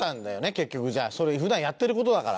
結局じゃあ普段やってる事だから。